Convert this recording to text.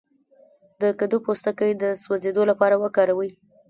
د کدو پوستکی د سوځیدو لپاره وکاروئ